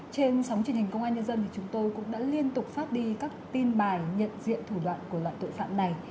trên sóng truyền hình công an nhân dân thì chúng tôi cũng đã liên tục phát đi các tin bài nhận diện thủ đoạn của loại tội phạm này